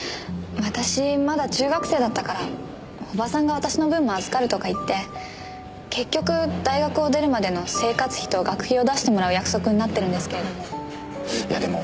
私まだ中学生だったから叔母さんが私の分も預かるとかいって結局大学を出るまでの生活費と学費を出してもらう約束になってるんですけれども。